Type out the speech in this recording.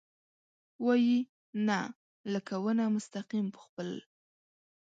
وايي ، نه ، لکه ونه مستقیم په خپل ...